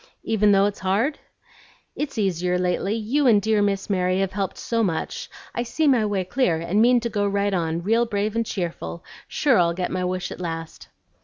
"Even though it's hard?" "It's easier lately; you and dear Miss Mary have helped so much, I see my way clear, and mean to go right on, real brave and cheerful, sure I'll get my wish at last."